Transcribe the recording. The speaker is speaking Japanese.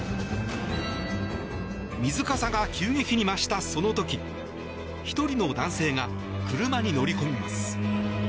水かさが急激に増した、その時１人の男性が車に乗り込みます。